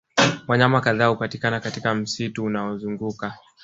Wanyama kadhaa hupatikana katika msitu unaozunguka